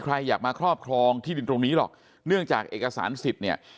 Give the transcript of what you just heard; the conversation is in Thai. ใครอยากมาครอบครองที่ดินตรงนี้หรอกเนื่องจากเอกสารสิทธิ์เนี่ย